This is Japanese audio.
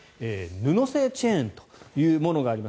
布製チェーンというものがあります。